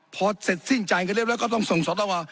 พอเสร็จสิ้นใจกันเรียบร้อยก็ต้องส่งสตว